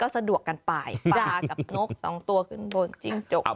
สะดวกกันไปปลากับนกสองตัวขึ้นบนจิ้งจก